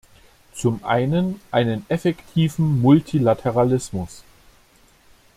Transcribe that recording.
Zum einen einen effektiven Multilateralismus.